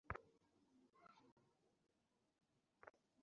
আসলে ফটোকপি করে দিবো।